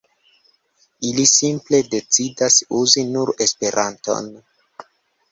Ili simple decidas uzi nur Esperanton.